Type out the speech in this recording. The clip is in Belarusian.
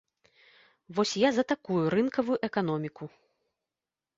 Вось я за такую рынкавую эканоміку!